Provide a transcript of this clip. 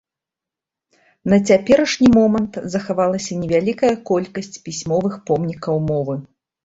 На цяперашні момант захавалася невялікая колькасць пісьмовых помнікаў мовы.